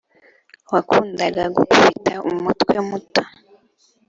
wakundaga gukubita umutwe muto,